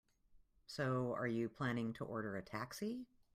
So, are you planning to order a taxi?